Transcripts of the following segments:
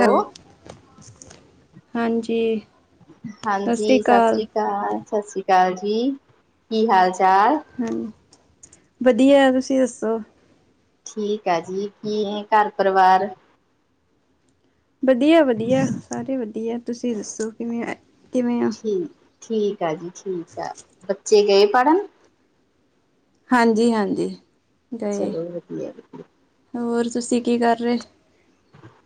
Hello, ਹਾਂਜੀ ਹਾਂਜੀ, ਸਤਿ ਸ੍ਰੀ ਅਕਾਲ -ਸਤਿ ਸ਼੍ਰੀ ਅਕਾਲ ਜੀ, ਕੀ ਹਾਲ- ਚਾਲ ਹਾਂ, ਵਧੀਆ ਤੁਸੀਂ ਦੱਸੋ ਠੀਕ ਆ ਜੀ, ਕੀ ਹੈ ਘਰ ਪਰਿਵਾਰ ਵਧੀਆ -ਵਧੀਆ, ਸਾਰੇ ਵਧੀਆ ਤੁਸੀਂ ਦੱਸੋ ਕਿਵੇਂ, ਕਿਵੇਂ ਆ ਠੀਕ ਆ ਜੀ, ਠੀਕ ਆ, ਬੱਚੇ ਗਏ ਪੜ੍ਹਨ ਹਾਂਜੀ -ਹਾਂਜੀ ਗਏ ਚਲੋ ਵਧੀਆ, ਵਧੀਆ ਹੋਰ ਤੁਸੀਂ ਕੀ ਕਰ ਰਹੇ?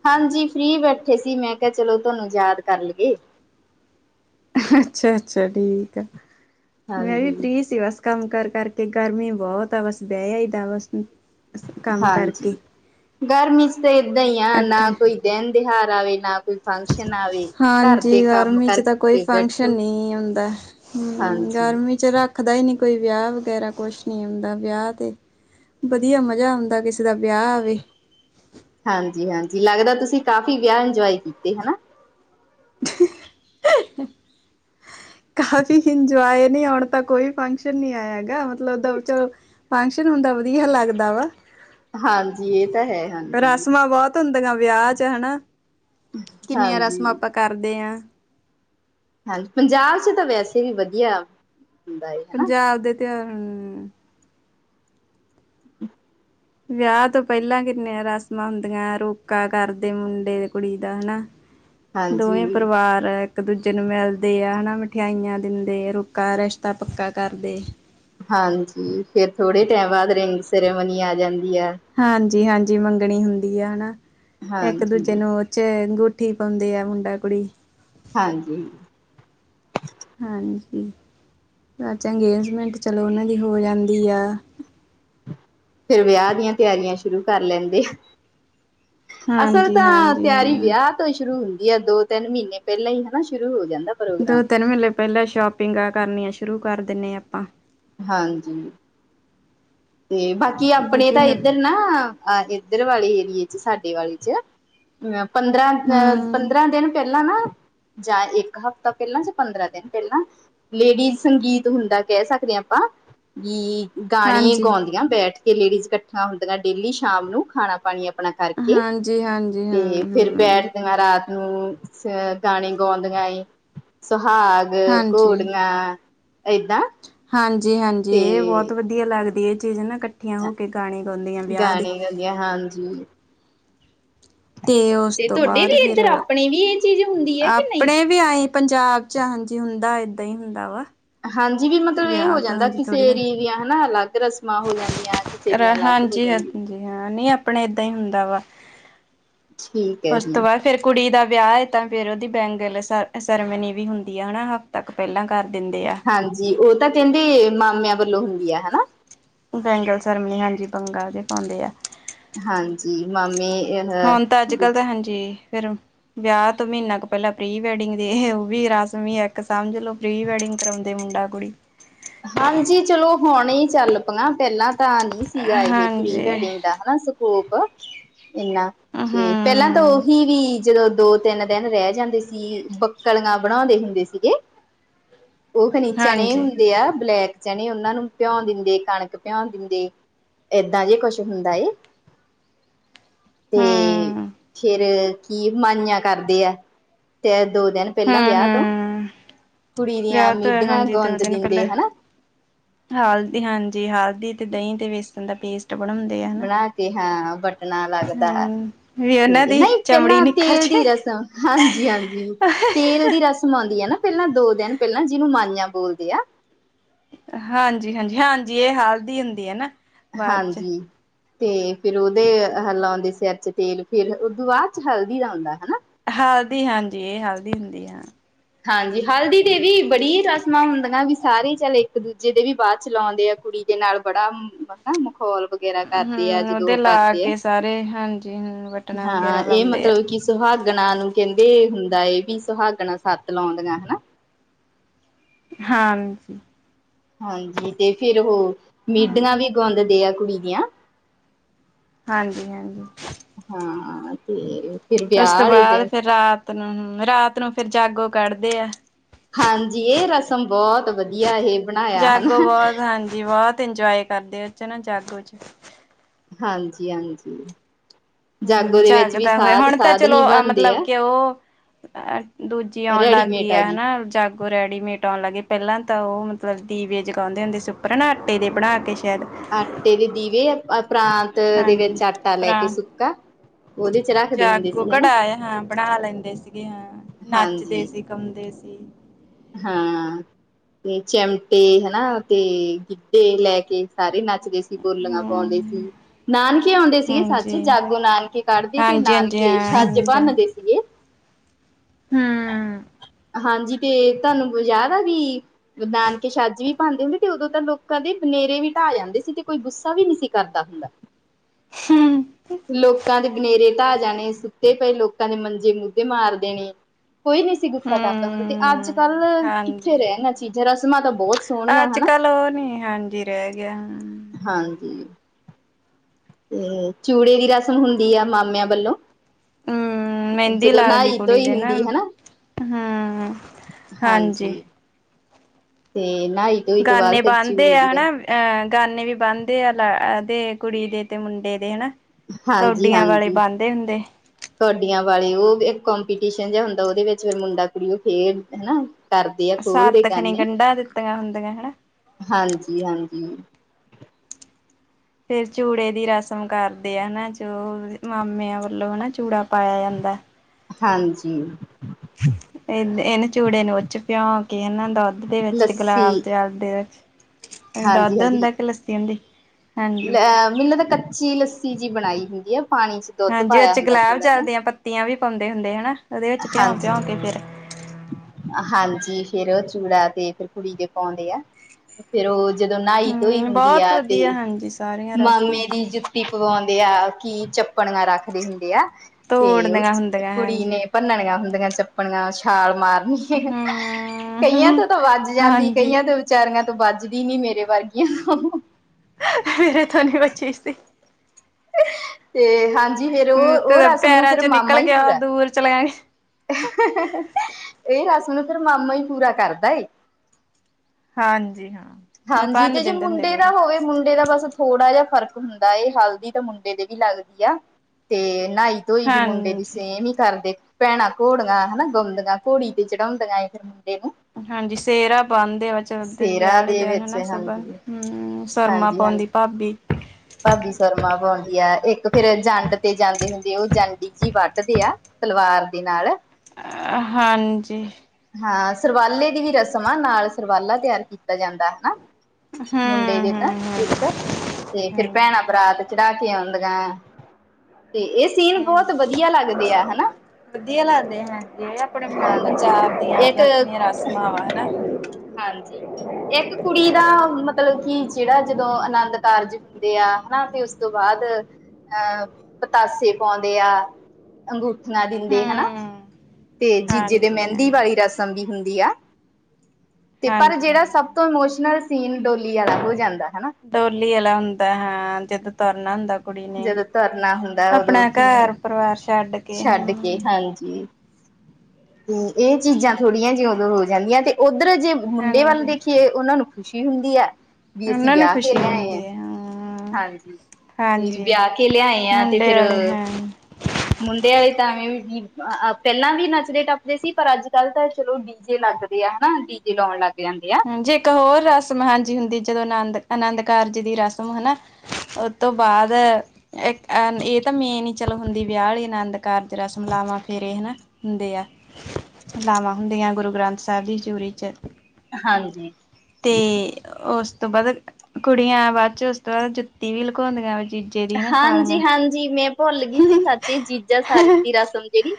ਹਾਂਜੀ, ਫਰੀ ਬੈਠੇ ਸੀ ਮੈਂ ਕਿਹਾ ਚਲੋ ਤੁਹਾਨੂੰ ਯਾਦ ਕਰ ਲਈਏ ਅੱਛਾ-ਅੱਛਾ, ਠੀਕ ਆ ਮੈਂ ਵੀ ਹਾਂਜੀ ਫਰੀ ਸੀ ਬਸ। ਕੰਮ ਕਰ- ਕਰਕੇ ਗਰਮੀ ਬਹੁਤ ਆ ਬਸ ਬਹਿਆ ਹੀਦਾ ਬਸ ਕੰਮ ਹਾਂਜੀ ਕਰਕੇ ਗਰਮੀ ਚ ਤਾਂ ਇਏਦਾਂ ਹੀ ਆ ਨਾ ਅੱਠੇ ਕੋਈ ਦਿਨ ਦਿਉਹਾਰ ਆਵੇ ਨਾ ਕੋਈ ਫੰਕਸ਼ਨ ਆਵੇ ਘਰ ਦੇ ਹਾਂਜੀ ਕੰਮ ਗਰਮੀ ਚ ਤਾਂ ਕਰਕੇ ਕੋਈ ਤੇ ਫੰਕਸ਼ਨ ਬੈਠੋ। ਨਹੀਂ ਹੁੰਦਾ ਹਮ ਹਾਂਜੀ। ਗਰਮੀ ਚ ਰੱਖਦਾ ਹੀ ਨੀ ਕੋਈ ਵਿਆਹ ਵਗੈਰਾ ਕੁਛ ਨੀ ਹੁੰਂਦਾ ਵਿਆਹ ਤੇ ਵਧੀਆ ਮਜ਼ਾ ਆਉਂਦਾ, ਕਿਸੇ ਦਾ ਵਿਆਹ ਆਵੇ। ਹਾਂਜੀ-ਹਾਂਜੀ, ਲੱਗਦਾ ਤੁਸੀਂ ਕਾਫ਼ੀ ਵਿਆਹ ਇੰਜੋਏ ਕੀਤੇ ਹੈਨਾ। ਕਾਫੀ ਇੰਜੋਏ ਨੀ ਉਣ ਤਾਂ ਕੋਈ ਫੰਕਸ਼ਨ ਨਹੀਂ ਆਇਆ ਹੈਗਾ, ਮਤਲਬ ਓਦਾਂ ਚਲੋ ਫੰਕਸ਼ਨ ਹੁੰਦਾ ਵਧੀਆ ਲੱਗਦਾ ਵਾ। ਹਾਂਜੀ ਇਹ ਤਾਂ ਹੈ ਹਾਂਜੀ। ਧੁੰਦਿਆਂ ਵਿਆਹ ਚ ਹੈਨਾ ਕਿੰਨੀਆਂ ਹਾਂਜੀ ਰਸਮਾਂ ਆਪਾਂ ਕਰਦੇ ਹਾਂ। ਹਾਂਜੀ, ਪੰਜਾਬ ਚ ਤਾਂ ਵੈਸੇ ਵੀ ਵਧੀਆ। ਹੁੰਦਾ ਏ ਹਨਾ ਪੰਜਾਬ ਦੇ ਤੇ ਹਾਂ ਹੂੰ। ਵਿਆਹ ਤੋਂ ਪਹਿਲਾਂ ਕਿੰਨੀਆਂ ਰਸਮਾਂ ਹੁੰਦੀਆਂ ਰੋਕਾ ਕਰਦੇ ਮੁੰਡੇ-ਕੁੜੀ ਦਾ ਹੈਨਾ। [inaudible] ਦੋਵੇਂ ਹਾਂਜੀ ਪਰਿਵਾਰ ਇੱਕ ਦੂਜੇ ਨੂੰ ਮਿਲਦੇ ਆ ਹੈਨਾ ਮਠਈਆਂ ਦਿੰਦੇ ਰੋਕਾ ਰਿਸ਼ਤਾ ਪੱਕਾ ਕਰਦੇ। ਹਾਂਜੀ, ਫੇਰ ਥੋੜੇ ਟਾਈਮ ਬਾਅਦ ਰਿੰਗ ਸੈਰੇਮਨੀ ਆ ਜਾਂਦੀ ਆ। ਹਾਂਜੀ-ਹਾਂਜੀ, ਮੰਗਣੀ ਹੁੰਦੀ ਆ ਹੈਨਾ ਇੱਕ ਦੂਜੇ ਹਾਂਜੀ ਨੂੰ ਚੈਨ, ਅੰਗੂਠੀ ਪਾਉਂਦੇ ਆ ਮੁੰਡਾ-ਕੁੜੀ। ਹਾਂਜੀ। ਹਾਂਜੀ। ਫਿਰ ਤਾ ਅੰਗੇਜਮੈਂਟ ਚਲੋ ਉਹਨਾਂ ਦੀ ਹੋ ਜਾਂਦੀ ਆ। ਫੇਰ ਵਿਆਹ ਦੀਆਂ ਤਿਆਰੀਆਂ ਸ਼ੁਰੂ ਕਰ ਲੈਂਦੇ ਆ। ਅਸਲ ਹਾਂਜੀ ਤਾਂ ਹਾਂਜੀ ਤਿਆਰੀ ਹਾਂ ਵਿਆ ਤੋਂ ਸ਼ੁਰੂ ਹੁੰਦੀ ਆ ਦੋ-ਤਿੰਨ ਮਹੀਨੇ ਪਹਿਲਾਂ ਹੀ ਹੈਨਾ ਸ਼ੁਰੂ ਹੋ ਜਾਂਦਾ। ਪ੍ਰੋਗਰਾਮ ਦੋ-ਤਿੰਨ ਮਹੀਨੇ ਪਹਿਲਾਂ ਸ਼ੋਪਿੰਗ ਕਰਨੀਆਂ ਸ਼ੁਰੂ ਕਰ ਦਿੰਦੇ ਹਾਂ ਆਪਾਂ। ਹਾਂਜੀ। ਤੇ ਬਾਕੀ ਆਪਣੇ ਤਾਂ ਬੁਕਿੰਗ ਇੱਧਰ ਨਾ ਇੱਧਰ ਵਾਲੇ ਏਰੀਏ ਚ ਸਾਡੇ ਵਾਲੇ ਚ ਅ ਪੰਦਰਾਂ ਅਹ ਹੂੰ ਪੰਦਰਾਂ ਦਿਨ ਪਹਿਲਾਂ ਨਾ ਜਾਂ ਇੱਕ ਹਫ਼ਤਾ ਪਹਿਲਾਂ ਜਾਂ ਪੰਦਰਾਂ ਦਿਨ ਪਹਿਲਾਂ ਲੇਡੀਜ਼ ਸੰਗੀਤ ਹੁੰਦਾ ਕਹਿ ਸਕਦੇ ਹਾਂ ਆਪਾਂ। ਵੀ ਗਾਣੇ ਹਾਂਜੀ ਗਾਉਂਦੀਆਂ ਬੈਠ ਕੇ ਲੇਡੀਜ਼ ਇਕੱਠਾ ਹੁੰਦੀਆਂ ਡੇਲੀ ਸ਼ਾਮ ਨੂੰ ਖਾਣਾ-ਪਾਣੀ ਆਪਣਾ ਕਰਕੇ ਹਾਂਜੀ ਹਾਂਜੀ ਹਾਂ ਤੇ ਫਿਰ ਹਾਂ ਬੈਠ ਰਾਤ ਨੂੰ ਅ ਗਾਣੇ ਗਾਉਂਦੀਆਂ ਏ ਸੁਹਾਗ ਘੋੜੀਆਂ ਇਦਾਂ ਹਾਂਜੀ-ਹਾਂਜੀ, ਇਹ ਬਹੁਤ ਵਧੀਆ ਲੱਗਦੀ ਇਹ ਚੀਜ਼ ਨਾ ਕ ਕੱਠੀਆਂ ਹੋ ਕੇ ਗਾਣੇ ਗਾਉਂਦੀਆਂ ਵਿਆਹ ਦੇ ਗਾਣੇ ਹਾਂਜੀ। ਉਸ ਤੇ ਤੋਂ ਤੁਹਾਡੇ ਵੀ ਬਾਅਦ ਫਿਰ ਇੱਧਰ ਆਪਣੇ ਵੀ ਚੀਜ਼ ਹੁੰਦੀ ਹੈ ਕਿ ਨਹੀਂ ਆਪਣੇ ਵੀ ਆਂਏ ਪੰਜਾਬ ਚ ਹਾਂਜੀ ਹੁੰਦਾ ਏਦਾਂ ਹੀ ਹੁੰਦਾ ਵਾ ਹਾਂਜੀ ਵੀ ਮਤਲਬ ਇਹ ਹੋ ਵਿਆਹ ਤੋਂ ਜਾਂਦਾ ਹਾਂਜੀ ਕਿਸੇ ਥੋੜੇ ਦਿਨ ਦੀਆਂ ਹਨਾ ਅਲੱਗ ਰਸਮਾਂ ਹੋ ਜਾਂਦੀਆਂ ਕਿਸੇ ਦੀਆਂ ਅਲੱਗ ਹੋ ਹਾਂਜੀ ਜਾਂਦੀਆਂ ਹਾਂਜੀ ਹਾਂ, ਨਈ ਆਪਨੇ ਏਦਾਂ ਈ ਹੁੰਦਾ ਵਾ। ਠੀਕ ਹੈ ਉਸ ਤੋਂ ਜੀ ਬਾਅਦ ਫੇਰ, ਕੁੜੀ ਦਾ ਵਿਆਹ ਹੈ, ਤਾਂ ਫੇਰ ਉਹਦੀ ਬੈਂਗਲ ਸੈਰੇਮਨੀ ਵੀ ਹੁੰਦੀ ਹੈ ਹਣਾ। ਤੱਕ ਪੈਲਾਂ ਕਰ ਦਿੰਦੇ ਆ। ਜੀ ਓ ਤਾਂ ਕੈਂਦੇ ਮਾਮੇਆਂ ਵੱਲੋਂ ਹੁੰਦੀ ਆ ਹਨਾ। ਬੈਂਗਲ ਸਰਰਮਨੀ ਹਾਂਜੀ ਬੰਗਾ ਜੇ ਪਾਉਂਦੇ ਆ। ਹਾਂਜੀ ਮਾਮੇ ਏ ਅਹ ਜੀ ਫੇਰ ਵਿਆਹ ਤੋਂ ਮੀਹਨਾ ਕੁ ਪੈਹਲਾਂ ਪ੍ਰੀ ਵੈਡਿੰਗ ਦੇ ਉਹ ਵੀ ਰਸਮ ਈ ਐ ਇੱਕ ਸਮਝ ਲੋੋ ਪ੍ਰੀ ਵੈਡਿੰਗ ਕਰਾਉਂਦੇ ਮੁੰਡਾ ਕੁੜੀ ਹਾਂਜੀ ਚਲੋ ਹੁਣੇ ਚੱਲ ਪਆਂ ਪਹਿਲਾਂ ਤਾਂ ਨਹੀਂ ਸੀਗਾ ਇਹ ਪ੍ਰੀ ਹਾਂਜੀ ਵੈਡਿੰਗ [unintelligible] ਹਨਾ ਸਕੋਪ ਇੰਨਾ ਤੇ ਪਹਿਲਾਂ ਤਾਂ ਉਹ ਹਮ [unintelligible] ਵੀ ਜਦੋਂ ਦੋ ਤਿੰਨ ਦਿਨ ਰਹਿ ਜਾਂਦੇ ਸੀ ਬੱਕਲਿਆਂ ਬਣਾਉਂਦੇ ਹੁੰਦੇ ਸੀਗੇ ਓ ਖਨੀਚਨੇ ਹਾਂਜੀ ਦੇ ਆ ਬਲੈਕ ਚਣੇ ਉਹਨਾਂ ਨੂੰ ਭਿਉਂ ਦਿੰਦੇ ਕਣਕ ਭਿਉਂ ਦਿੰਦੇ ਏਦਾਂ ਜੇ ਕੁੱਛ ਹੁੰਦਾ ਏ ਤੇ, ਹਮ ਫੇਰ ਕੀ ਮਾਈਆ ਕਰਦੀ ਆ ਤੇ ਦੋ ਦਿਨ ਪਹਿਲਾਂ ਹਮ ਵਿਆਹ ਤੋਂ। ਹਮ ਕੁੜੀ ਦੀਆਂ ਵਿਆਹ ਤਾਂ ਮੀਡੀਆਂ ਹਾਂਜੀ ਦੋ ਗੁੰਦ ਦਿਨ ਦਿੰਦੇ ਪਹਿਲਾਂ। ਹਨਾ ਹਲਦੀ ਹਾਂਜੀ ਹਲਦੀ ਤੇ ਦਈਂ ਤੇ ਵੇਸਨ ਦਾ ਪੇਸਟ ਚ ਬਣਾਉਂਦੇ ਆ ਨਾ ਬਣਾ ਕੇ ਹਾਂ ਬਟਨਾ ਲੱਗਦਾ ਹਮ ਵੀ ਉਹਨਾਂ ਤੇ ਦੀ ਨਹੀਂ ਚਮੜੀ ਪਹਿਲਾਂ ਨਿਖਰ ਤੇਲ ਦੀ ਜੇ। ਰਸਮ ਰਸਮਾ ਹੋਂਦੀਆ ਨਾ ਪਹਿਲਾਂ ਦੋ ਦਿਨ ਪਹਿਲਾਂ ਜਿਹਨੂੰ ਮਾਇਆਂ ਬੋਲਦੇ ਐ ਹਾਂਜੀ ਹਾਂਜੀ ਹਾਂਜੀ ਇਹ ਹਾਲਦੀ ਹੁੰਦੀ ਹੈ ਨਾ ਬਾਅਦ ਚ ਹਾਂਜੀ। ਤੇ ਫੇਰ ਓਦੇ ਆਹ ਲੌਂਦੇ ਸਿਰ ਚ ਤੇਲ ਫੇਰ ਓਦੋਂ ਬਾਦ ਚ ਹਲਦੀ ਦਾ ਔਂਦਾ ਹਨਾ। ਹਲਦੀ ਹਾਂਜੀ ਇਹ ਹਲਦੀ ਹੁੰਦੀ ਆ ਹਾਂਜੀ ਹਲਦੀ ਦੇ ਵੀ ਬੜੀ ਰਸਮਾਂ ਹੁੰਦੀਆਂ ਵੀ ਸਾਰੇ ਚੱਲ ਇੱਕ ਦੂਜੇ ਦੇ ਵੀ ਬਾਅਦ ਚ ਲਾਉਂਦੇ ਆ ਕੁੜੀ ਦੇ ਨਾਲ ਬੜਾ ਬਨਦਾ ਮਖੌਲ ਵਗ ਵਗੈਰਾ ਕਰਦੇ ਆ, ਹਮ ਜਦੋਂ ਉਹਦੇ ਉਹ ਲਾ ਕਰਦੇ ਆ, ਕੇ ਸਾਰੇ ਹਾਂਜੀ ਹ ਬਟਨਾ ਹਾਂ ਵਗੈਰਾ ਇਹ ਲਾਉਂਦੇ ਆ। ਮਤਲਬ ਕਿ ਸੁਹਾਗਨਾ ਨੂੰ ਕੈਂਦੇ ਹੁੰਦਾ ਏ ਵੀ ਸੁਹਾਗਨਾ ਸੱਤ ਲੌਂਦੀਆਂ ਹਨਾ। ਹਾਂਜੀ। ਹਾਂਜੀ ਤੇ ਫਿਰ ਉਹ ਮੀਢੀਆ ਹਾਂ ਵੀ ਗੋਂਦ ਦੇਆ ਕੁੜੀ ਦੀਆਂ ਹਾਂਜੀ-ਹਾਂਜੀ। ਹਾਂ, ਤੇ ਫਿਰ ਉਸ ਵਿਆਹ ਤੋਂ ਵਾਲੇ ਬਾਅਦ ਦਿਨ ਫੇਰ ਰਾਤ ਨੂੰ, ਹ ਰਾਤ ਨੂੰ ਫੇਰ ਜਾਗੋ ਕੱਢਦੇ ਐ। ਹਾਂਜੀ ਇਹ ਰਸਮ ਬਹੁਤ ਵਧੀਆ ਇਹ ਬਣਾਇਆ ਹਨਾ। ਜਾਗੋ ਬਹੁਤ ਹਾਂਜੀ ਬਹੁਤ ਇੰਜੋਏ ਕਰਦੇ ਵਿੱਚ ਨਾ ਜੱਗ ਵਿੱਚ ਹਾਂਜੀ-ਹਾਂਜੀ। ਹੂੰ, ਜਗਦਾ ਹੋਏਆ ਹੁਣ ਤਾਂ ਸਾਧ ਚਲੋ ਨੀ ਬਣਦੇ ਮਤਲਬ ਆ ਕਿ ਓ ਐ ਦੂਜੀ ਔਣ ਲਾਗੀ ਰੈਡੀਮੇਡ ਆ ਐ ਗਈ ਨਾ ਜਾਗੋ? ਰੈਡੀਮੇਟ ਆਉਣ ਲੱ ਗਏ, ਪਹਿਲਾਂ ਤਾਂ, ਉਹ ਮਤਲਬ, ਦੀਵੇ ਜਗਾਉਂਦੇ ਹੁੰਦੇ ਸੀ ਸੁੱਪਰ ਨਾ, ਆਟੇ ਦੇ ਬਣਾ ਕੇ, ਸ਼ਾਇਦ। ਆਟੇ ਦੇ ਦੀਵੇ ਅ ਪ੍ਰਾਤ ਦੇ ਹਾਂਜੀ ਵਿੱਚ ਆਟਾ ਲੈ ਕੇ ਭਰਾ ਸੁੱਕਾ ਉਹਦੇ ਚ ਰੱਖਦੇ ਹੁੰਦੇ ਜਾਗੋ ਸੀ ਹਨਾ ਘੜਾਯਾ ਹਾਂ ਬਣਾ ਲੈਂਦੇ ਸੀਗੇ ਹਾਂ ਨੱਚਦੇ ਹਾਂਜੀ ਸੀ ਕੰਮ ਦੇ ਸੀ ਹਾਂ ਤੇ ਚਿਮਟੇ ਹਨਾ ਤੇ ਗਿੱਧੇ ਲੈ ਕੇ ਸਾਰੇ ਨੱਚਦੇ ਸੀ। ਇਕ ਓ ਲਗਾਣ ਪਾਉਂਣ ਗਈ ਹੂੰ ਸੀ। ਨਾਨਕੇ ਔਂਦੇ ਸੀਗੇ ਸੱਚ ਹਾਂਜੀ ਜਾਗੋ ਨਾਨਕੇ ਕੱਢਦੇ ਤੇ ਹਾਂਜੀ ਹਾਂਜੀ ਨਾਨਕੇ ਛੱਜ ਹਾਂ ਭੰਨਦੇ ਸੀਗੇ। ਹੂੰ। ਹਾਂਜੀ, ਤੇ ਤੁਹਾਨੂੰ ਕੁਝ ਯਾਦ ਆ ਵੀ। ਨਾਨਕੇ ਛੱਜ ਵੀ ਭੰਨਦੇ ਸੀ ਤੇ ਉਦੋਂ ਤਾਂ ਲੋਕਾਂ ਦੇ ਬਨੇਰੇ ਵੀ ਢਾਹ ਜਾਂਦੇ ਸੀ ਤੇ ਕੋਈ ਗੁੱਸਾ ਵੀ ਨਹੀਂ ਸੀ ਕਰਦਾ ਹੁੰਦਾ। ਹੂੰ। ਲੋਕਾਂ ਦੇ ਬਨੇਰੇ ਟਾਹ ਜਾਣੇ। ਸਿੱਧੇ ਪਏ ਲੋਕਾਂ ਦੇ ਮੰਜੇ ਮੁੱਦੇ ਮਾਰ ਦੇਣੇ ਕੋਈ ਨੀ ਗੁੱਸਾ ਹੂੰ ਕਰਦਾ ਹੁੰਦਾ ਤੇ ਅੱਜ-ਕੱਲ ਹਾਂਜੀ ਕਿੱਥੇ ਹਾਂਜੀ ਰਹਿਆਂ ਚੀਜ਼ਾਂ ਰਸਮਾਂ ਤਾਂ ਬਹੁਤ ਸੋਹਣੀਆਂ ਹੈਨਾ ਕੀ ਰਹਿ ਗਿਆ। ਹਾਂਜੀ। ਹੂੰ, ਚੂੜੇ ਦੀ ਰਸਮ, ਹੁੰਦੀ ਆ ਮਾਮਿਆਂ ਵੱਲੋਂ। ਅ ਮਹਿੰਦੀ ਜਦੋਂ ਲਗਦੀ, ਨਹਾਈ ਕੁੜੀ ਧੋਈ ਦੇ ਨਾ। ਹੁੰਦੀ ਹਨਾ ਹਾ, ਹਾਂਜੀ। ਤੇ ਨਾ ਇੱਕ ਗਾਨੇ, ਬੰਦੇ ਆ ਹੈਨਾ। ਅਹ ਗਾਨੇ ਵੀ, ਬੰਨਦੇ ਆ ਲ ਕੁੜੀ ਦੇ, ਤੇ ਮੁੰਡੇ ਦੇ ਹੈਨਾ। ਕੌਡੀਆਂ, ਵਾਲੇ ਬੰਦੇ ਹੁੰਦੇ ਨੇ। ਕੌਡਿਆਂ ਵਾਲੇ, ਉਹ ਇੱਕ ਕੰਮਪੀਟੀਸ਼ਨ, ਜਿਹਾ ਹੁੰਦਾ। ਉਹਦੇ ਵਿੱਚ ਫੇਰ ਮੁੰਡਾ, ਕੁੜੀ ਉਹ ਖੇਡ ਹੈਨਾ। ਕਰਦੇ ਆ, ਖੋਲਦੇ ਸੱਤ ਖਣੀ ਗਾਨੇ, ਗੰਢਾਂ ਦਿੱਤੀਆਂ ਹੁੰਦੀਆਂ ਹਨਾ ਹਾਂਜੀ- ਹਾਂਜੀ। ਫੇਰ ਚੂੜੇ ਦੀ ਰਸਮ, ਕਰਦੇ ਆ। ਹੈਨਾ ਜੋ ਮਾਮਿਆਂ ਵੱਲੋਂ, ਹੈਨਾ ਚੂੜਾ, ਪਾਇਆ ਜਾਂਦਾ। ਹਾਂਜੀ। ਇਹ ਇਹਨ ਚੂੜੇ ਨੂੰ, ਉੱਚ ਭਿਉ ਕੇ ਹੈਨਾ। ਦੁੱਧ ਦੇ, ਵਿੱਚ ਤੇ ਗੁਲਾਬ ਲੱਸੀ ਨਾਲ ਦੇ ਵਿਚ, ਦੁਧ ਹੁੰਦਾ, ਕੀ ਲੱਸੀ ਹੁੰਦੀ। ਹਾਂਜੀ ਅ ਮੈਨੂੰ ਤਾਂ, ਕੱਚੀ ਲੱਸੀ ਜਿ ਬਣਾਈ, ਹੁੰਦੀ ਹੈ ਪਾਣੀ ਚ। ਦੁੱਧ ਹਾਂਜੀ, ਪਾਇਆ ਉਹ ਹੁੰਦਾ ਗੁਲਾਬ ਥੋੜਾ ਜਲ, ਜਿਹਾ। ਤੇ ਪੱਤੀਆਂ ਵੀ ਪਾਉਂਦੇ ਹੁੰਦੇ, ਹੈਨਾ ਉਹਦੇ ਵਿੱਚ, ਭਿਉ- ਭਿਉ ਕੇ ਫੇਰ ਹਾਂਜੀ, ਫੇਰ ੳਹ ਚੂੜਾ, ਤੇ ਫੇਰ ਕੁੜੀ ਦੇ ਪਾਉਂਦੇ ਆ। ਫੇਰ ਉਹ ਜਦੋਂ, ਨਹਾਈ- ਧੋਈ ਹਮ ਹੁੰਦੀ ਬਹੁਤ ਆ। ਤੇ ਵਧੀਆ ਹਾਂਜੀ ਸਾਰੀਆਂ ਰਸਮਾਂ ਮਾਮੇ ਦੀ ਜੁ ਚੀ, ਪਵਾਉਂਦੇ ਆ। ਕੀ ਚੱਪਣਨਾ, ਰੱਖਦੇ ਹੁੰਦੇ ਆ। ਤੇ ਤੋੜਨੀਆਂ ਹੁੰਦੀਆਂ ਕੁੜੀ ਨੇ, ਹਾਂਜੀ ਭੰਨਣਿਆ, ਹੁੰਦੀਆਂ ਚੱਪਣਿਆ ਛਾਲ ਮਾਰਨੀ, ਏ ਕਈਆਂ ਹਮ ਤੋ ਤਾਂ, ਵੱਜ ਜਾਂਦੀ ਹਾਂਜੀ ਕਈਆਂ ਤੇ ਵਿਚਾਰੀਆਂ ਤੋਂ, ਵੱਜਦੀ ਨੀ, ਮੇਰੇ ਵਰਗੀਆਂ ਤੋ ਮੇਰਥੋਂ ਨੀ, ਬਚੀ ਸੀ। ਤੇ ਹਾਂਜੀ, ਫੇਰ ਉਹ, ਉਹ ਤੇ ਰਸਮ ਨੂੰ, ਪੈਰਾਂ ਫੇਰ ਚੋਂ ਮਾਮਾ ਨਿਕਲ ਹੀ ਗਿਆ ਪੂਰਾ ਦੂਰ ਚਲੇ ਗਏ ਇਹ ਰਸਮ ਫੇਰ, ਮਾਮਾ ਹੀ ਪੂਰਾ ਕਰਦਾ ਏ। ਹਾਂਜੀ ਹਾਂ ਉਹ ਹਾਂਜੀ। ਭੰਨ ਤੇ ਜੇ ਦਿੰਦੇ ਹੁੰਦੇ ਮੁੰਡੇ ਦਾ, ਫਿਰ ਹੋਵੇ ਮੁੰਡੇ ਦਾ ਬਸ ਥੋੜਾ ਜਿਹਾ, ਫ਼ਰਕ ਹੁੰਦਾ ਏ। ਹਲਦੀ ਤੇ, ਮੁੰਡੇ ਦੇ ਵੀ, ਲੱਗਦੀ ਆ। ਤੇ ਨਹਾਈ ਧੋਈ ਵੀ, ਮੁੰਡੇ ਦੀ ਹਾਂਜੀ ਸੇਮ ਹੀ ਕਰਦੇ। ਭੈਣਾਂ ਘੋੜਿਆ, ਹੈਨਾ ਗਾੳਦਿਆ, ਘੋੜੀ ਤੇ ਚੜਾਉਂਦਆਂ। ਫੇਰ ਮੁੰਡੇ ਨੂੰ ਹਾਂਜੀ, ਸਿਹਰਾ ਬੰਨ ਦੇ, ਵਿਚੋਂਲਦੇ ਵਿਆਹੇ ਸਿਹਰਾ ਵਾਲੇ ਦੇ ਦਿਨ ਵਿੱਚ ਨਾ ਸਬ, ਹਾਂਜੀ, ਹੂੰ। ਸੁਰਮਾ, ਹਾਂਜੀ, ਪਾਉਂਦੀ ਹਾਂਜੀ। ਭਾਬੀ। ਭਾਬੀ ਸੁਰਮਾ, ਪਾਉਂਦੀ ਆ। ਇੱਕ ਫੇਰ ਜੰਡ ਤੇ, ਜਾਂਦੇ ਹੁੰਦੇ, ਉਹ ਜੰਡੀ ਜੀ, ਵੱਢਦੇ ਆ। ਤਲਵਾਰ, ਦੇ ਨਾਲ। ਅ ਹਾਂਜੀ। ਹਾਂ, ਸਰਵਾਲੇ ਦੀ ਵੀ, ਰਸਮ ਆ। ਨਾਲ ਸਰਵਾਲਾ, ਤਿਆਰ ਕੀਤਾ ਜਾਂਦਾ, ਹੈਨਾ। ਮੁੰਡੇ ਦੇ, ਹੂੰ-ਹੂੰ-ਹੂੰ-ਹੂੰ-ਹੂੰ ਤਾਂ ਇੱਕ ਤੇ ਫੇਰ ਭੈਣਾਂ, ਬਰਾਤ ਚੜਾ ਕੇ, ਆਉਂਦਆਂ ਤੇ ਇਸ ਸੀਨ, ਬਹੁਤ ਵਧੀਆ ਲੱਗਦੇ ਆ ਹੈਨਾ। ਵਧੀਆ ਲੱਗਦੇ ਹੈ। ਜੇ ਆਪਣੇ- ਆਪਣੇ ਹਾਂਜੀ ਪੰਜਾਬ ਦੀਆਂ, ਮਤਲਬ ਇੱਕ ਆਪਣੀਆਂ ਰਸਮਾਂ ਵਾਂ, ਹਨਾ। ਹਾਂਜੀ, ਇੱਕ ਕੁੜੀ ਦਾ, ਮਤਲਬ ਕਿ ਜਿਹੜਾ ਜਦੋਂ, ਆਨੰਦ ਕਾਰਜ ਹੁਨਦੇ ਆ। ਹਨਾ, ਤੇ ਉਸ ਤੋਂ ਬਾਅਦ, ਅਹ ਪਤਾਸੇ ਪਾਉਂਦੇ ਆ। ਅੰਗੂਠਿਆਂ ਦਿੰਦੇ। ਹੈਨਾ, ਤੇ ਜੀਜੇ ਦੇ ਹਾਂਜੀ ਹਾਂ ਮਹਿੰਦੀ, ਵਾਲੀ ਰਸਮ ਵੀ ਹੁੰਦੀ ਆ। ਤੇ ਪਰ ਜਿਹੜਾ, ਹਾਂਜੀ-ਹਾਂਜੀ। ਸਭ ਤੋਂ ਇਮੋਸ਼ਨਲ ਸੀਨ, ਡੋਲੀ ਆਲਾ ਹੋ ਜਾਂਦਾ ਹਨਾ। ਡੋਲੀ ਆਲਾ, ਹੁੰਦਾ। ਹਾਂ, ਜਦੋਂ ਤਰਨਾ ਹੁੰਦਾ ਕੁੜੀ ਨੇ, ਜਦੋਂ ਧਰਨਾ ਹੁੰਦਾ ਉਦੋਂ ਆਪਣਾ ਕਿਵੇਂ ਘਰ, ਪਰਿਵਾਰ ਛੱਡ ਕੇ ਛੱਡ ਕੇ ਹੂੰ ਹਾਂਜੀ, ਤੇ ਇਹ ਚੀਜ਼ਾਂ, ਥੋੜੀਆਂ ਜੀਆ ਉਦੋਂ, ਹੋ ਜਾਂਦੀਆਂ ਤੇ ਉੱਧਰ ਜੇ, ਮੁੰਡੇ ਵੱਲ ਹਾਂਜੀ। ਦੇਖੀਏ, ਉਹਨਾਂ ਨੂੰ ਖੁਸ਼ੀ ਹੁੰਦੀ ਐ। ਵੀ ਅਸੀਂ, ਉਹਨਾਂ ਨੂੰ ਵਿਆਹ ਕੇ ਖੁਸ਼ੀ ਲੈ ਆਏ ਆ। ਹੁੰਦੀ ਹੈ ਹਾਂ ਹਾਂਜੀ, ਤੇ ਹਾਂਜੀ। ਵਿਆਹ ਕੇ, ਲਿਆਏ ਆ। ਤੇ ਮੁੰਡੇ ਫੇਰ ਵਾਲੇ ਹਾਂ। ਮੁੰਡੇ ਵਾਲੇ ਤਾਂ, ਐਵੇਂ ਵੀ ਪਹਿਲਾਂ ਵੀ, ਨੱਚਦੇ- ਟੱਪਦੇ ਸੀ, ਪਰ ਅੱਜ ਕੱਲ ਤਾਂ ਚਲੋਂ ਡੀ ਜੇ ਲੱਗਦੇ ਆ, ਹੈਨਾ ਡੀਜੇ ਲਾਉਣ ਲੱਗ ਜਾਂਦੇ ਆ। ਹਾਜੀ, ਇੱਕ ਹੋਰ ਰਸਮ ਹਾਂਜੀ, ਹੁੰਦੀ, ਜਦੋਂ ਆਨੰਦ- ਅਨੰਦ ਕਾਰ ਜੀ ਦੀ ਰਸਮ ਹੈਨਾ। ਉਹ ਤੋਂ ਬਾਅਦ ਇੱਕ ਅ ਇਹ ਤਾਂ ਮੇਨ ਹੀ ਚਲੋਂ ਹੁੰਦੀ ਵਿਆਹ ਵਾਲੇ ਆਨੰਦ ਕਾਰਜ ਰਸਮ ਲਾਵਾਂ ਫੇਰੇ ਹੈਨਾ। ਹੁੰਦੇ ਆ, ਲਾਵਾਂ ਹੁੰਦੀਆਂ ਗੁਰੂ ਗ੍ਰੰਥ ਸਾਹਿਬ ਦੀ ਹਜ਼ੂਰੀ 'ਚ। ਹਾਂਜੀ। ਤੇ ਉਸ ਤੋਂ ਬਾਅਦ ਕੁੜੀਆਂ ਬਾਅਦ ਚ, ਉਸ ਤੋਂ ਬਾਅਦ ਜੁੱਤੀ ਵੀ ਲੁਕਾਉਂ ਦੀਆਂ ਵੇ, ਜੀ ਹਾਂਜੀ-ਹਾਂਜੀ, ਮੈਂ ਭੁੱਲ ਗਈ ਸੀ, ਸੱਚੀ ਜੀਜਾ-ਸਾਲੀ ਦੀ ਰਸਮ ਜਿਹੜੀ,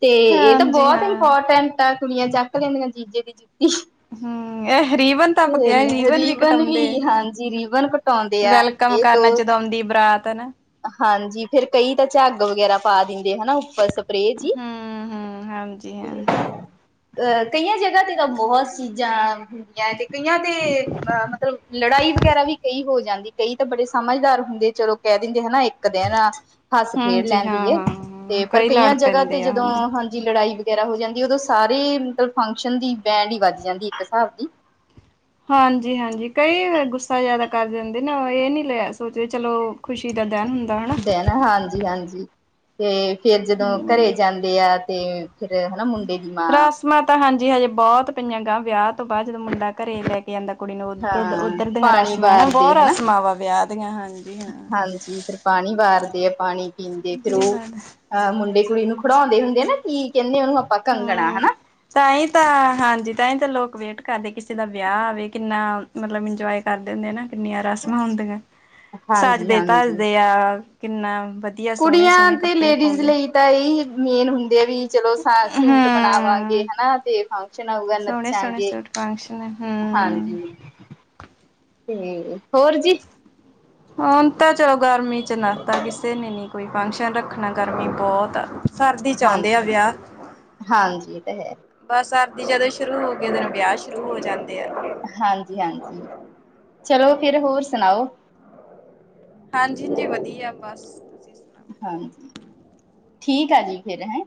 ਤੇ ਇਹ ਤਾਂ ਹਾਂਜੀ ਬਹੁਤ ਹਾਂ ਇੰਪੋਰਟੈਂਟ ਛੱਟ ਆ, ਕੁੜੀਆਂ ਚੱਕ ਲੈਂਦੀਆਂ ਜੀਜੇ ਦੀ ਜੁੱਤੀ। ਹੂੰ, ਇਹ ਰੀਵਨ ਤਾ ਕਿਹਾ ਨੀ, ਰੀਵਨ ਵੀ ਰੀਬਨ ਕਟਾਉਂਦੇ ਐ। ਵੀ ਹਾਂਜੀ ਰੀਬਨ ਕਟਾਉਂਦੇ ਆ ਵੈਲਕਮ ਇਹ ਦੋ ਕਰਨਾ ਜਦੋਂ ਆਉਂਦੀ ਬਰਾਤ ਨਾ। ਹਾਂਜੀ, ਫੇਰ ਕਈ ਤਾਂ ਝੱਗ ਵਗੈਰਾ ਪਾ ਦਿੰਦੇ ਹੈਨਾ, ਉੱਪਰ ਸਪ ਸਪਰੈ ਹਮ ਜੀ। ਹਮ ਹਾਂਜੀ ਹਾਂ ਅਹ ਕਈਆਂ ਜਗ੍ਹਾ ਤੇ ਤਾਂ ਬਹੁਤ ਚੀਜ਼ਾਂ ਤੇ ਕਈਆਂ ਤੇ ਅ ਮਤਲਬ ਲੜਾਈ ਵਗੈਰਾ ਵੀ ਕਈ ਹੋ ਜਾਂਦੀ ਕਈ ਤਾਂ ਬੜੇ ਸਮਝਦਾਰ ਹੁੰਦੇ ਚਲੋ, ਕਹਿ ਦਿੰਦੇ ਹੈਨਾ ਇੱਕ ਦੇਨ ਆ। ਹੱਸ-ਖੇਡ ਹਾਂਜੀ ਹਾਂ, ਲੈਂਦੀ ਹਾਂ, ਹਾਂ ਤੇ ਪਰ ਕਈ ਲੜ ਕਈਆਂ ਜਗ੍ਹਾ ਤੇ ਪੈਂਦੇ ਆ ਜਦੋਂ ਹਾਂਜੀ। ਹੁਣ ਜੇ ਲੜਾਈ ਵਗੈਰਾ ਹੋ ਜਾਂਦੀ, ਉਦੋਂ ਸਾਰੇ ਮਤਲਬ ਫੰਕਸ਼ਨ ਦੀ ਬੈਂਡ ਹੀ ਵੱਜ ਜਾਂਦੀ ਇੱਕ ਹਿਸਾਬ ਦੀ। ਹਾਂਜੀ-ਹਾਂਜੀ, ਕਈ ਗੁੱਸਾ ਜ਼ਿਆਦਾ ਕਰ ਜਾਂਦੇ ਨਾ, ਇਹ ਨੀ ਲਿਆ ਸੋਚਦੇ ਚਲੋਂ ਖੁਸ਼ੀ ਦਾ ਦਿਨ ਹੁੰਦਾ ਹੋਣਾ। ਹਾਂਜੀ-ਹਾਂਜੀ, ਤੇ ਫੇਰ ਜਦੋਂ ਘਰੇ ਹੂੰ। ਜਾਂਦੇ ਆ ਤੇ ਫਿਰ ਹੈਨਾ ਮੁੰਡੇ ਦੀ ਮਾਂ ਰਸਮਾਂ ਤਾਂ ਹਾਂਜੀ, ਹਜੇ ਬਹੁਤ ਪਈਆਂ ਗਾਂ ਵਿਆਹ ਤੋਂ ਬਾਅਦ, ਜਦੋਂ ਮੁੰਡਾ ਘਰੇ ਲੈ ਕੇ ਜਾਂਦਾ ਕੁੜੀ ਨੂੰ ਹਾਂ ਦੁੱਧ-ਉਦਰ ਦੀਆਂ ਪਾਣੀ ਰਸਮਾਂ ਹੈਨਾ, ਵਾਰਦੇ ਬਹੁਤ ਹਨਾ ਰਸਮਾਂ ਵਾਂ ਵਿਆਹ ਦੀਆਂ ਹਾਂਜੀ-ਹਾਂ। ਹਾਂਜੀ ਫਿਰ ਪਾਣੀ ਵਾਰਦੇ ਆ, ਪਾਣੀ ਪੀਂਦੇ, ਫਿਰ ਉਹ ਗੱਲ ਐ ਅਹ ਮੁੰਡੇ ਕੁੜੀ ਨੂੰ ਖੜਾਉਂਦੇ ਹੁੰਦੇ ਨਾ, ਕੀ ਕਹਿੰਦੇ ਉਹਨੂੰ ਆਪਾਂ ਕੰਗਣਾ ਹੈਨਾ। ਤਾਂ ਹੀ ਤਾਂ ਹਾਂਜੀ ਤਾਂ ਹੀ ਤਾਂ ਲੋਕ ਵੇਟ ਕਰਦੇ, ਕਿਸੇ ਦਾ ਵਿਆਹ ਆਵੇ ਕਿੰਨਾ ਮਤਲਬ ਇੰਜੋਏ ਕਰਦੇ ਹੁੰਦੇ ਨਾ। ਕਿੰਨੀਆਂ ਰਸਮਾਂ ਹੁੰਦੀਆਂ ਹਾਂਜੀ ਹਾਂਜੀ ਸੱਜਦੇ-ਤਜਦੇ ਆ, ਕਿੰਨਾ ਵਧ ਕੁੜੀਆਂ ਤੇ ਲੇਡੀਜ਼ ਲਈ ਤਾਂ, ਇਹ ਈ ਮੇਨ ਹੁੰਦੇ ਆ ਵੀ ਚਲੋਂ ਸਾ- ਸੂਟ ਬਣ ਬਣਾਵਾਂਗੇ ਹਮ ਹੈਨਾ ਦੇਖਾਂਗੇ ਸ਼ਨ ਆਊਗਾ ਸੋਹਣੇ ਸੋਹਣੇ ਨੱਚਾਂਗੇ, ਸੂਟ ਫੰਕਸ਼ਨ ਹਮ ਹਾਂਜੀ। ਤੇ, ਹੋਰ ਜੀ? ਹੁਣ ਤਾਂ ਚਲੋਂ ਗਰਮੀ ਚ ਨਾ ਤਾ, ਕਿਸੇ ਨੇ ਨੀ ਕੋਈ ਫੰਕਸ਼ਨ ਰੱਖਣਾ ਗਰਮੀ ਬਹੁਤ ਆ। ਸਰਦੀ ਚ ਆਉਂਦੇ ਹਾਂਜੀ ਆ ਹਾਂਜੀ ਵਿਆਹ। ਹਾਂਜੀ ਇਹ ਤਾਂ ਹੈ ਬਸ ਸਰਦੀ ਜਦੋਂ ਸ਼ੁਰੂ ਹੋਗੀ, ਉਦੋਂ ਦਿਨ ਵਿਆਹ ਸ਼ੁਰੂ ਹੋ ਜਾਂਦੇ ਆ। ਹਾਂਜੀ-ਹਾਂਜੀ, ਚਲੋਂ ਫਿਰ ਹੋਰ ਸੁਣਾਓ? ਹਾਂਜੀ-ਹਾਂਜੀ, ਵਧੀਆ ਬਸ। ਤੁਸੀਂ ਸੁਣਾਓ ਹਾਂਜੀ, ਠੀਕ ਆ ਜੀ ਫਿਰ ਹੈ।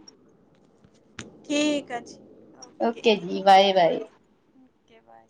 ਠੀਕ ਆ ਜੀ। ਓਕੇ ਜੀ, ਬਾਏ ਬਾਏ। Okay, bye.